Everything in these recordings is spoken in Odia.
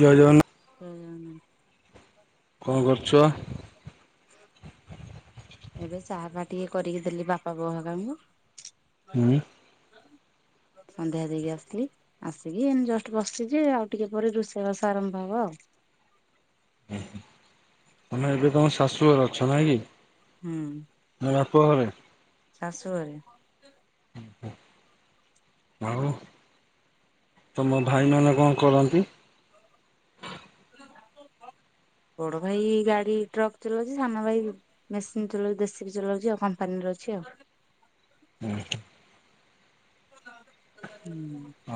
ଜୟ ଜଗନ୍ନାଥ ହୁମ୍ କଣ କରୁଚ? ଏବେ ଚାହା ପା ଟିକେ କରିକି ଦେଲି ବାପା ବୋଉ ହକାଙ୍କୁ। ହୁଁ। ହ ସନ୍ଧ୍ୟା ଦେଇକି ଆସିଲି ଆସିକି ଏ ଜଷ୍ଟ ବସିଛି ଆଉ ଟିକେ ପରେ ରୋଷେଇବାସ ଆରମ୍ଭ ହବ ଆଉ। [unintelligible] ଉହୁଁ ମାନେ ଏବେ ତମେ ଶାଶୁ ଘର ଅଛ ନାଇଁ କି? ହୁଁ। ନା ବାପଘରେ? ଶାଶୁଘରେ। ଭାଉ ତମ ଭାଇମାନେ କଣ କରନ୍ତି? [unintelligible] ବଡ ଭାଇ ଗାଡି ଟ୍ରକ୍ ଚଲାଉଛି। ସାନ ଭାଇ ମେସିନ ଚଉଛି ଯେସିପି ଚଲାଉଛି ଆଉ କମ୍ପାନୀରେ ଅଛି ଆଉ। [unintelligible]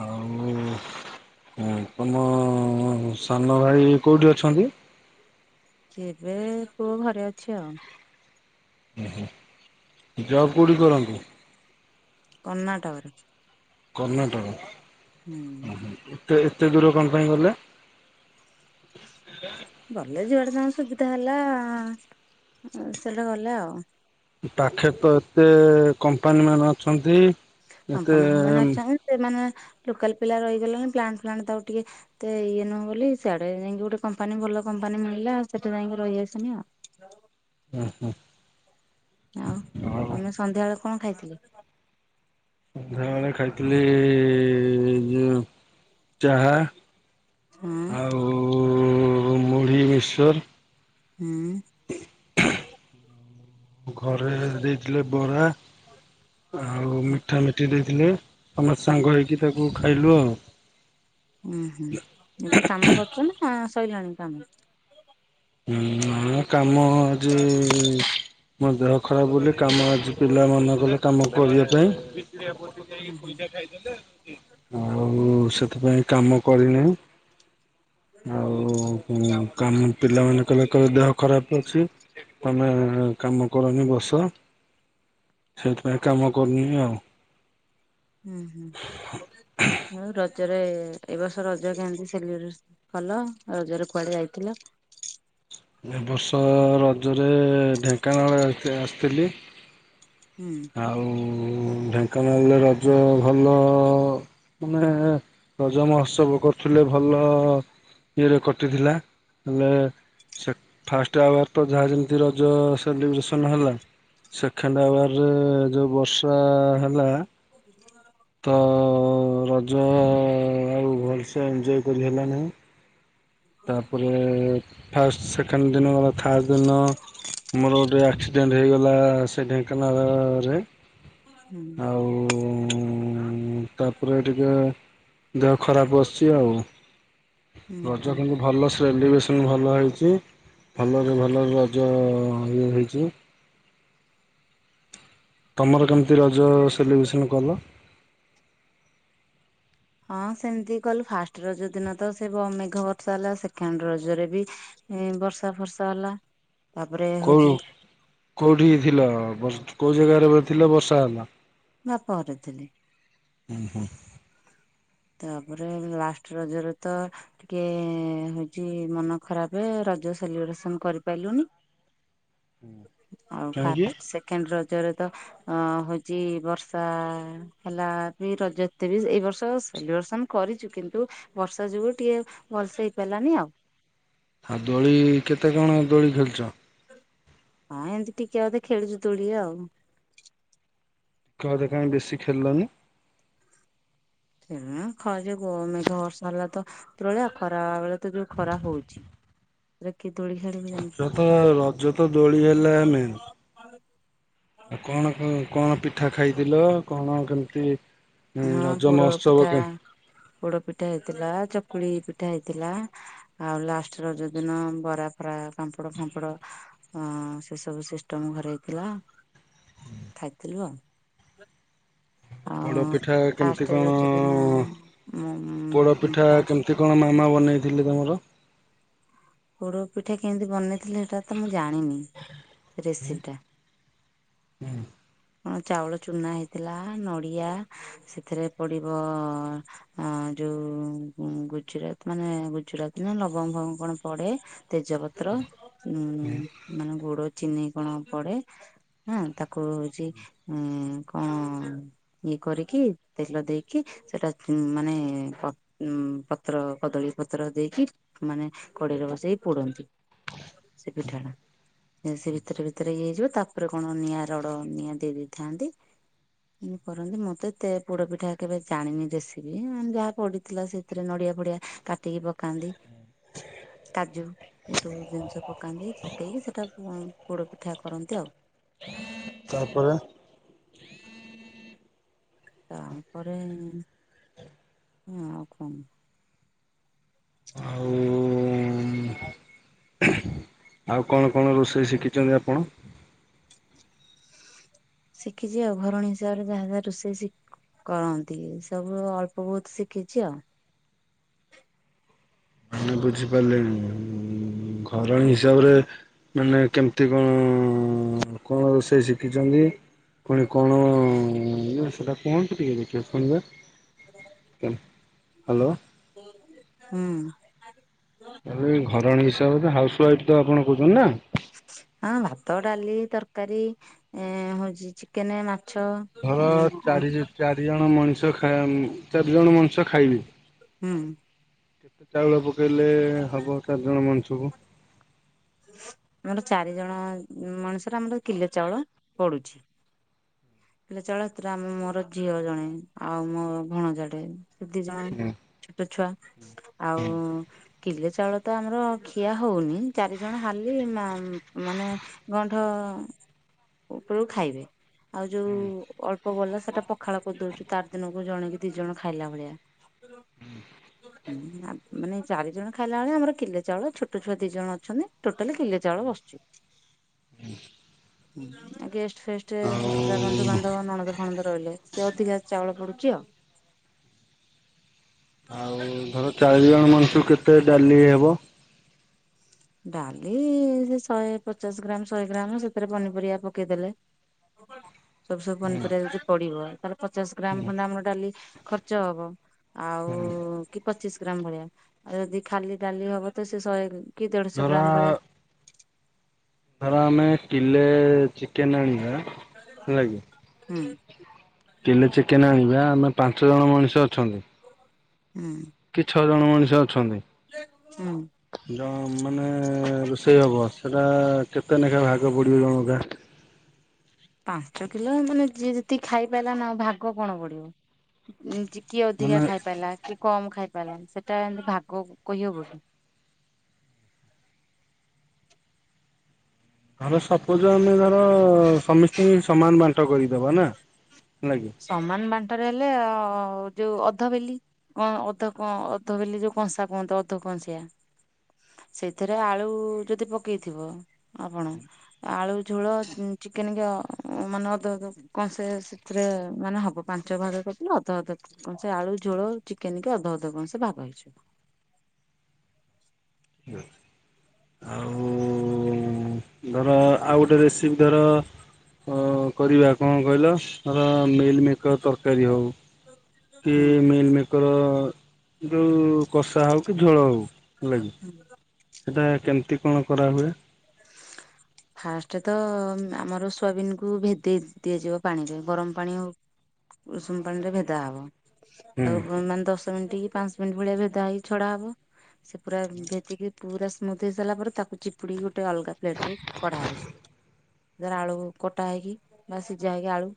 ଆଉ ତମ ସାନ ଭାଇ କୋଉଠି ଅଛନ୍ତି? କେବେ ପୁଅ ଘରେ ଅଛି ଆଉ। ଓହୋ ଯବ୍ କୋଉଠି କରନ୍ତି? କର୍ଣ୍ଣାଟକ ରେ। କର୍ଣ୍ଣାଟକ ଏତେ ଏତେ ଦୂର କଣ ପାଇଁ ଗଲେ? ଗଲେ ଯୁଆଡେ ତାଙ୍କ ସୁବିଧା ହେଲା ସେଟା ଗଲେ ଆଉ। ପାଖେରେ ତ ଏତେ କମ୍ପାନୀ ମାନ ଅଛନ୍ତି। ଏତେ କମ୍ପାନ ଫମ୍ପାନି ଓହୋ ଅଛନ୍ତି ସେମାନେ ଲୋକାଲ ପିଲା ରହିଗଲେଣି ପ୍ଲାନ୍ ଫ୍ଲାନ ତାକୁ ଟିକେ ହେତେ ଇଏ ନୁହଁ ବୋଲି ସିଆଡେ ଯାଇକି ଗୋଟେ କମ୍ପାନୀ ଭଲ କମ୍ପାନୀ ମିଳିଲା ସେଠି ଯାଇକି ରହିଆସିନି ଆଉ। ଓହୋ। ଆଉ ତମେ ସନ୍ଧ୍ୟାବେଳେ କଣ ଖାଇଥିଲେ? ସନ୍ଧ୍ୟା ବେଳେ ଖାଇଥିଲି ଯୋଉ ଚାହା। ହୁଁ। ଉ ମୁଢ଼ି ମିକ୍ସଚର। ହୁଁ। ଘରେ ଦେଇଥିଲେ ବରା ଆଉ ମିଠା ମିଠି ଦେଇଥିଲେ। ସମସ୍ତେ ସାଙ୍ଗ ହୁଁ ହେଇକି ତାକୁ ଖାଇଲୁ ଆଉ। ଉଁ ହୁଁ ଏବେ କାମ କରୁଛ ନା ସଇଲାଣି କାମ? ଉଁ ହୁଁ କାମ ଆଜି। ମୋ ଦେହ ଖରାପ ବୋଲି କାମ ଆଜି ପିଲା ମନା କଲେ କାମ କରିବା ପାଇଁ। ବ ହୁଁ ଯକି ହୁଁ ଖଇଜା ଖାଇଦେଲେ ଆଉ ସେଥିପାଇଁ କାମ କରିନି। ଆଉ ଉଁ କାମ ପିଲାମାନେ କହିଲେ କହିଲେ ଦେହ। ଖରାପ ଅଛି ତମେ କାମ କରନି ବସ। ସେଥିପାଇଁ କାମ କରୁନି ଆଉ। ହୁଁ ହୁଁ ଆଉ ର ରଜରେ ଏ ବର୍ଷ ରଜ କେମିତି ସେଲିବ୍ରେଶନ କଲ ରଜରେ କୁଆଡେ ଯାଇଥିଲ? ଏ ବର୍ଷ ରଜରେ ଢେଙ୍କାନାଳ ଆ-ଆସିଥିଲି। ହୁଁ ଆଉ ଢେଙ୍କାନାଳରେ ରଜ ଭଲ। ମାନେ ରଜ ମହୋତ୍ସବ କରୁଥିଲେ ଭଲ ଇଏରେ କଟିଥିଲା। ହେଲେ ସେ ଫାର୍ଷ୍ଟ ଆୱାର ତ ଯାହା ଯେମିତି ରଜ ସେଲିବ୍ରେସନ ହେଲା। ସେଖେଣ୍ଡବା ରେ ଯୋଉ ବର୍ଷା ହେଲା ତ। ରଜ ଆଉ ଭଲ ସେ ଏଞ୍ଜୋଏ କରି ହେଲାନାହିଁ। ତାପରେ ଫାର୍ଷ୍ଟ ସେକେଣ୍ଡ ଦିନ ଗଲା ଥାର୍ଡ ଦିନ ମୋର ଗୋଟେ ଆକ୍ସିଡେଣ୍ଟ ହେଇଗଲା ସେ ଢେଙ୍କାନାଳ ରେ। ହୁଁ। ଉଁ ତାପରେ ଟିକେ ଦେହ ଖରାପ ବସିଛି ଆଉ। ହୁଁ ହୁଁ ରଜ କିନ୍ତୁ ଭଲ ସ ସେଲିବ୍ରେସନ ଭଲ ହେଇଛି ଭଲରେ ଭଲରେ ରଜ ଇଏ ହେଇଛି। ହଁ ତମର କେମିତି ରଜ ସେଲିବ୍ରେସନ କଲ? ହଁ ସେମିତି କଲୁ ଫାର୍ଷ୍ଟ ରଜ ଦିନ ତ ସେ ବ ମେଘ ବର୍ଷା ହେଲା ସେକେଣ୍ଡ ରଜରେ ବି। ଏ ବର୍ଷା ଫର୍ଷା ହେଲା। ତାପରେ କଉ ହଉଛି କଉଠି ଥିଲ ବର୍ଷ କୋଉ ଜାଗାରେ ବ ଥିଲା ବର୍ଷା ହେଲା? ବାପ ଘରେ ଥିଲି। ଉଁ ହୁଁ। ତାପରେ ଲାଷ୍ଟ ରଜରେ ତ ଟିକେ ହଉଛି ମନ ଖରାପେ ର ରଜ ସେଲିବ୍ରେଶନ କରିପାରିଲୁନି ଆଉ କାହିଁକି? ଫାର୍ଷ୍ଟ ସେକେଣ୍ଡ ର ରଜରେ ତ ଅ ହଉଛି ବର୍ଷା ହେଲା ବି ରଜ ଏତେ ବି ଏଇ ବର୍ଷ। ସେଲିବ୍ରେସନ କରିଛୁ କିନ୍ତୁ ବର୍ଷା ଯୋଗୁ ଟିକେ ଭଲସେ ହେଇପାରିଲାନି ଆଉ। ଆଉ ଦୋଳି କେତେ କଣ ଦୋଳି ଖେଳିଛ? ହଁ ଏମିତି ଟିକେ ଅଧେ ଖେଳିଛୁ ଦୋଳି ଆଉ। ଟିକେ ଅଧେ କାଇଁ ବେଶୀ ଖେଳିଲନି। ଖେଳିଲୁନି ଖ ଯଉ ଗ ମେଘ ବର୍ଷା ହେଲା ତ ଉପରଓଳିଆ ଖରା ବେଳେ ତ ଯୋଉ ଖରା ହଉଛି। ରେଖେ ରଜ ତ ରଜ ତ ଦୋଳି ହେଲା ମେନ। ଆଉ କଣ କଣ ପିଠା ଖାଇଥିଲ। କଣ କେମିତି ହଁ ରଜ ପୋଡ ମହୋତ୍ସବ ପିଠା କେ ପୋଡ ପିଠା ହେଇଥିଲା। ଚ କକୁଳି ପିଠା ହେଇଥିଲା। ଆଉ ଲାଷ୍ଟ ରଜ ଦିନ ବରା ଫରା ପାମ୍ପଡ ଫାମ୍ପଡ ହଁ ସେ ସବୁ ସିଷ୍ଟମ ଘରେ ହେଇଥିଲା। ଖାଇଥିଲୁ ଆଉ। ବଡ ପେଟ ଆଉ ପିଠା ଫାଷ୍ଟ କେମତି କଣ ରଜ ଦିନ ମୁଁ ପୋଡ ପିଠା ଫାଷ୍ଟ କେମିତି କଣ ମାମା ବନେଇଥିଲେ ତମର। [inaudible] ପୋଡ ପିଠା କେମିତି ବନେଇଥିଲେ ହେଟା ତ ମୁଁ ଜାଣିନି ସେ ରେସିପି ଟା। କଣ ଚାଉଳ ଚୁନା ହେଇଥିଲା। ନଡିଆ ସେଥିରେ ପଡିବ ଅଁ ଯୋଉ ଗୁଜୁରଟ ମାନେ ଗୁଜୁରାଟ ନା ନବମ ଫବଙ୍ଗ କଣ ପଡେ ତେଜପତ୍ର ଉଁ ମାନେ ଗୋଡ ଚିନି କଣ ପଡେ। ହଁ ତାକୁ ହଉଛି ଉ କଣ କରିକି ତେଲ ଦେଇକି ସେଟା ମାନେ ପ ପତ୍ର କଦଳୀ ପତ୍ର ପତ୍ର ଦେଇକି ମାନେ କଡେଇରେ ବସେଇକି ପୋଡନ୍ତି ସେ ପିଠା ଟା। ସେ ଭିତରେ ଭିତରେ ଇଏ ହେଇଯିବ। ତାପରେ କଣ ନିଆଁ ରଡ ନିଆଁ ଦେଇ ଦେଇଥାନ୍ତି। କରନ୍ତି ମୁଁ ତ ଏତେ ପୋଡ ପିଠା କେବେ ଜାଣିନି ରେସିପି। ଯାହା ପଡିଥିଲା ସେଥିରେ ନଡିଆ ପଡିଆ ପଡିଆ କାଟିକି ପକାନ୍ତି। କାଜୁ ଏସବୁ ଜିନିଷ ପକାନ୍ତି। ପକେଇକି ସେଟା ପୋଡ ପିଠା କରନ୍ତି ଆଉ। ତାପରେ। ତାପରେ ଆଉ କଣ। ଆଉ ଆଉ କଣ କଣ ରୋଷେଇ ଶିଖିଛନ୍ତି ଆପଣ। ଶିଖିଛି ଆଉ ଘରଣୀ ହିସାବରେ ଯାହା ଯାହା ରୋଷେଇ ଶିଖୁ କରନ୍ତି ସବୁ ଅଳ୍ପ ବହୁତ ଶିଖିଛି ଆଉ। ମ ବୁଝିପାରିଲେନି। ଘରଣୀ ହିସାବରେ ମାନେ କେମିତି କଣ? [inaudible] କଣ ରୋଷେଇ ଶିଖିଛନ୍ତି। ପୁଣି କଣ ଇଏ ସେଟା କୁହନ୍ତୁ ଟିକେ ଦେଖିବା ଶୁଣିବା। ହ୍ୟାଲୋ ହୁଁ। ଏ ଘରଣୀ ହିସାବରେ ହାଉସ୍ ୱାଇଫ୍ ତ ଆପଣ କହୁଛନ୍ତି ନା। ହଁ ଭାତ ଡାଲି ତରକାରୀ ହଉଛି ଚିକେନେ ମା ଘର ଚାରି ଚାରି ଜଣ ମଣିଷ ଖାଁ ଚାରି ଜଣ ମଣିଷ ଖାଇବି। ହୁଁ। କେତେ ଚାଉଳ ପକେଇଲେ ହବ ଚାରିଜଣ ମଣିଷକୁ। ଆ ଚାରି ଜଣ ମଣିଷରେ ଆମର କିଲେ ଚାଉଳ ପଡୁଛି। ହେଲେ ଚାଉଳ ସେଥିରେ ଆମେ ମୋର ଝିଅ ଜଣେ ଆଉ ମୋ ଭଣଜା ଟେ। ସିଧି ଜ ଛୋଟ ଛୁଆ ଆଉ। କିଲେ ଚାଉଳ ତ ଆମର ଖିଆ ହଉନି। ଚାରି ଜଣ ହାର୍ଲି ମାନେ ଗଣ୍ଠ ଉପରକୁ ଖାଇବେ। ଆଉ ଯୋଉ ଅଳ୍ପ ଗଲା ସେଟା ପଖାଳ କରିଦଉଛୁ ତାର ଦିନକୁ ଜଣେ କିି ଦି ଜଣ ଖାଇଲା ଭଳିଆ। ମାନେ ଚାରି ଜଣ ଖାଇଲା ବେଳେ ଆମର କିଲା ଚାଉଳ ଛୋଟ ଛୁଆ ଦି ଜଣ ଅ ଛନ୍ତି ଟୋଟାଲି ବିଲେ ଚାଉଳ ବସୁଛି। ଗେଷ୍ଟ ଫେଷ୍ଟ ଆଉ ଏକ୍ସଟ୍ରା ବନ୍ଧୁବାନ୍ଧବ ନଣଦ ଫଣଦ ରହିଲେ ସେ ଅଧିକା ଚାଉଳ ପଡୁଛି ଆଉ। [inaudible] ଆଉ ଧର ଚାରି ଜଣ ମଣିଷ କୁ କେତେ ଡାଲି ହେବ। ଡାଲି ସେ ଶହେ ପଚାଶ ଗ୍ରାମ୍ ଶହେ ଗ୍ରାମ୍ ସେଥିରେ ପନିପରିବା ପକେଇଦେଲେ। [unintelligible] ସବୁ ସବୁ ପନିପରିବା ଯଦି ପଡିବ, ତାହଲେ ପଚାଶ ଗ୍ରାମ ଖଣ୍ଡେ ଆମର ଡାଲି ଖର୍ଚ୍ଚ ହବ ଆଉ କି ପଚିଶ ଗ୍ରାମ ଭଳିଆ ଆଉ ଯଦି ଖାଲି ଡାଲି ହବ ତ ସେ ଶହେ କି ଦେଢ଼ଶହ ଧର ଗ୍ରାମ ଭଳିଆ। ଧର ଆମେ କିଲେ ଚିକେନ ଆଣିବା ହେଲାକି, ହୁଁ କିଲେ ଚିକେନ ଆଣିବା। ଆମେ ପାଞ୍ଚ ଜଣ ମଣିଷ ଅଛନ୍ତି ହୁଁ। କି ଛଅ ଜଣ ମଣିଷ। ଅଛନ୍ତି, ହୁଁ ମାନେ ରୋଷେଇ ହବ ସେଟା କେତେ ଲେଖା ଭାଗ ପଡିବ ଜଣକା? ପାଞ୍ଚ କିଲୋ ମାନେ, ଯିଏ ଯେତିକି ଖାଇ ପାରିଲ ନା ଭାଗ କଣ ପଡିବ। ଚି କିଏ ମାନେ ଅଧିକା ଖାଇ ପାରିଲା। କମ ଖାଇ ପାରିଲାଣି, ସେଟା ଏମତି ଭାଗ କହିହେବକି? ଧର ସପୋଜ ଆମେ ଧର ସମସ୍ତଙ୍କୁ ସମାନ ବାଣ୍ଟ କରିଦବା ନା? ହେଲା କି ସମାନ ବାଣ୍ଟରେ ହେଲେ ଆ ଯୋଉ ଅଧ ବେଲି କଣ ଅଧ, କଣ ଅଧ ବେଲି ଯୋଉ କଂସା କୁହନ୍ତି, ଅଧ କଂସିିଆ। ସେଇଥିରେ ଆଳୁ ଯଦି ପକେଇଥିବ, ଆପଣ, ଆଳୁ ଝୋଳ ଚିକେନ ମାନେ ଅଧ ଅଧ କଂସେ ଏ ମାନେ ହବ ପାଞ୍ଚ ଭାଗ କରିଦେଲେ, ଅଧ ଅଧ କଂସେ ସେ ଆଳୁ ଝୋଳ ଚିକେନ କି ଅଧ ଅଧ କଂସେ ସେ ଭାଗ [unintelligible] ଆଉ ଧର ଆଉ ଗୋଟେ ରେସିିପ୍ ଧର ଅ କରିବା କଣ କହିଲ ଧର ମିଲମିକର ତରକାରୀ ହଉ କି ହୁଁ ମିଲମେକର ଯୋଉ କଷା ହଉ କି ଝୋଳ ହଉ, ହେଲାକି? ସେଟା କେମିତି କଣ କରାହୁଏ? ଫାଷ୍ଟ ତ ଆମର ସୋୟାବିିନକୁୁ ଭେଦେଇ ଦିଆଯିବ, ପାଣିରେ ଗରମ ପାଣି ହଉ ଉଷୁମ ପାଣି ରେ ଭେଦା ହବ, ହୁଁ ତାକୁ ମାନେ ଦଶ ମିନିଟ ପାଞ୍ଚ ମିନିଟ, ଭଳିଆ ଭେଦା ହେଇ ଛଡା ହବ। ସେ ପୁରା ଭେଦିକି ପୁରା ସ୍ମୁଥ ହେଇ ସାରିଲା ପରେ, ତାକୁ ଚିପୁଡ ଗୋଟେ ଅଲଗା ପ୍ଲେଟ କୁ କଢା ହଉଛି, ଧର ଆଳୁ କଟା ହେଇକି ବା ସିଝା ହେଇକି ଆଳୁ।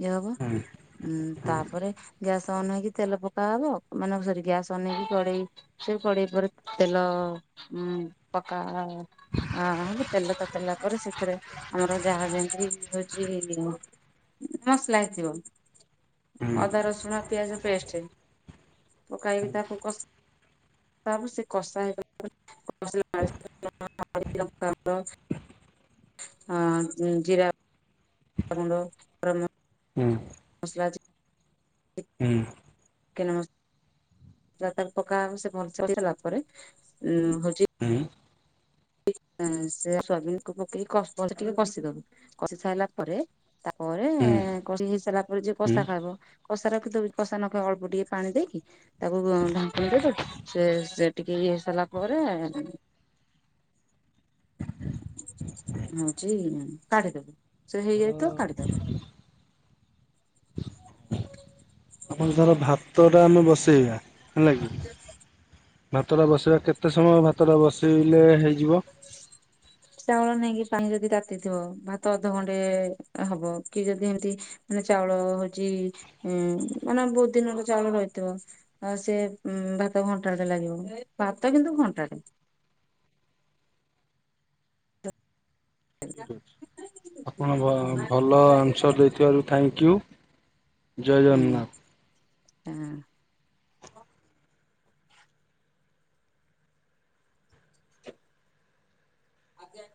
ଇଏ ହବ, ହୁଁ ଉଁ ତାପରେ ଗ୍ୟାସ୍ ଅନ୍ ହେଇକି ତେଲ ପକା ହବ, ମାନେ ସରି ଗ୍ୟାସ୍ ଅନ୍ ହେଇକି କଡେଇ, ସେ କଡେଇ ପରେ ତେଲ ହଁ ପକା [inaudible] ତେଲ ତତଲା ପରେ ସେଥିରେ, ଆମର ଯାହା ଯେମିତି ହଉଛି ମସଲା ହେଇଥିବ ହୁଁ ଅଦା, ରସୁଣ, ପିଆଜ ପେଷ୍ଟ ପକାଇକି ତାକୁ ତାପରେ ସେ କଷା ହେଇଗ [inaudible] [inaudible] ହଁ ଜିରା। [unintelligible] ହୁଁ ରାଜ [unintelligible] ହୁଁ। କେ ନ [unintelligible] ତାକୁ ପକା ହବ ସେ ମ [inaudible] ସାରିଲା ପରେ ଉଁ ହଉଛି ହୁଁ ସେ ସୋୟାବିନକୁ ପକେଇି ଟିକେ କଷିଦବୁ, କଷି ସାରିଲା ପରେ ତାପରେ ହୁଁ କଷି ହେଇ ସାରିଲା ପରେ, ଯିଏ ହୁଁ। କଷା ଖାଇବ କଷା ରଖିଦବି, କଷା ନଖାଇବ ଅଳ୍ପ ଟିକେ ପାଣି ଦେଇକି ତାକୁ ଢାଙ୍କୁଣି ଦେଇଦବୁ, ସେ ସେ ଟିକେ ପ [unintelligible] ସାରିଲା ପରେ ହଉଛି କାଢ଼ିଦବୁ, ସେ ହେଇଯାଇଥିବ ଧର କାଢ଼ିଦବୁ। [unintelligible] ଆମର ଧର ଭାତ ଟା ଆମେ ବସେଇବା ହେଲାକି ଭାତଟା ବସେଇବା କେତେ ଏତେ ସମୟ ଭାତଟା ବସାଇଲେ ହେଇଯିବ। [inaudible] ଚାଉଳ ନେଇକି ପାଣି ଯଦି ରାତିଥିବ ଭାତ ଅଧଘଣ୍ଟେ ହବ କି ଯଦି ଏମିତି ମାନେ ଚାଉଳ ହୋଉଚି ମାନେ ବୋହୁତ ଦିନର ଚାଉଳ ରହିଥିବ ଆଉ ସେ। ଭାତ ଘଣ୍ଟାଟେ ଲାଗିବ ଭାତ କିନ୍ତୁ ଘଣ୍ଟାଟେ। ଆଜ୍ଞା। ଆପଣ ଭଲ ଭଲ ଆନ୍ସର ଦେଇଥିବାରୁ ଥ୍ୟାଙ୍କୟୁ। ଜୟ ଜଗନ୍ନାଥ। ହଁ। ଆଜ୍ଞା।